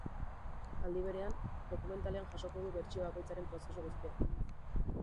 Aldi berean, dokumentalean jasoko du bertsio bakoitzaren prozesu guztia.